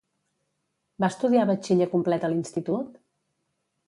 Va estudiar batxiller complet a l'institut?